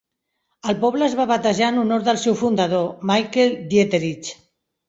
El poble es va batejar en honor del seu fundador, Michael Dieterich.